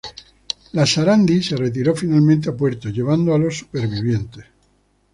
La "Sarandí" se retiró finalmente a puerto llevando a los sobrevivientes.